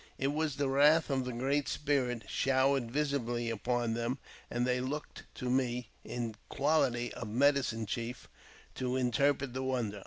It was the wrath of the Great Spirit showered visibly upon them, and they looked to me, in quality of medi 1 cine chief, to interpret the wonder.